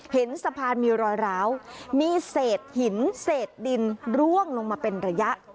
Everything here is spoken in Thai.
เห็นสะพานมีรอยร้าวมีเศษหินเศษดินร่วงลงมาเป็นระยะ